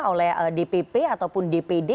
oleh dpp ataupun dpd